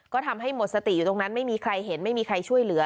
ก็ทำให้หมดสติอยู่ตรงนั้นไม่มีใครเห็นไม่มีใครช่วยเหลือ